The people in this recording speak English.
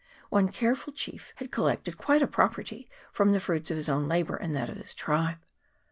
One care ful chief had collected quite a property from the fruits of his own labour and that of his tribe.